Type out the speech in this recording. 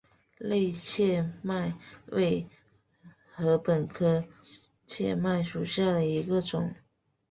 类雀麦为禾本科雀麦属下的一个种。